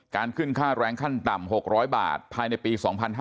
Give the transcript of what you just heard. ขึ้นค่าแรงขั้นต่ำ๖๐๐บาทภายในปี๒๕๕๙